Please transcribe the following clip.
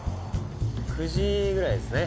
９時ぐらいですね